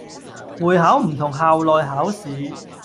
會考唔同校內考試